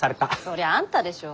そりゃああんたでしょ？